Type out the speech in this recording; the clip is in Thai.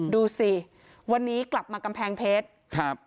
ดูสิวันนี้กลับมากำแพงเพชรครับ